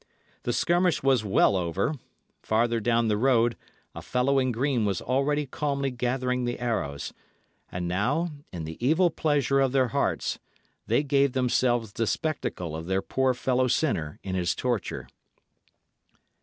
The skirmish was well over; farther down the road, a fellow in green was already calmly gathering the arrows; and now, in the evil pleasure of their hearts, they gave themselves the spectacle of their poor fellow sinner in his torture.